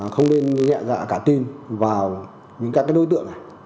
không nên nhẹ dạ cả tin vào những các đối tượng này